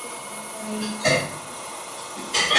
Publicó un "Anuario de economía política".